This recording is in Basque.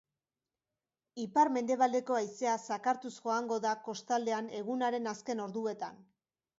Ipar-mendebaldeko haizea zakartuz joango da kostaldean egunaren azken orduetan.